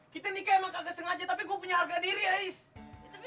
kita nikah emang kagak sengaja tapi gue punya harga diri ais